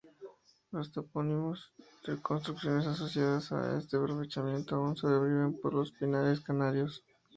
Los topónimos y construcciones asociadas a este aprovechamiento aún sobreviven por los pinares canarios.